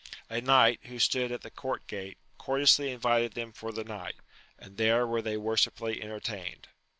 A knight, who stood at the court gate, courteously invited them for the night ; and there were they worshipfully en tertained.